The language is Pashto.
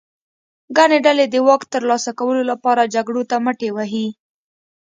ګڼې ډلې د واک ترلاسه کولو لپاره جګړو ته مټې وهي.